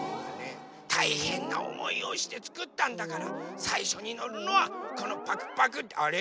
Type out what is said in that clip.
たいへんなおもいをしてつくったんだからさいしょにのるのはこのパクパクあれ？